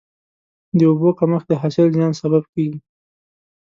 د اوبو کمښت د حاصل زیان سبب کېږي.